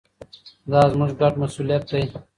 دا زموږ ګډ مسوولیت دی.